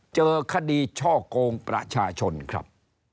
เจอคดีช่อกงประชาชนครับ